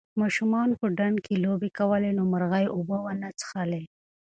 ماشومانو په ډنډ کې لوبې کولې نو مرغۍ اوبه ونه څښلې.